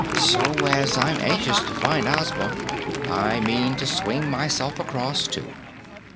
So as I'm anxious to find Ozma, I mean to swing myself across too."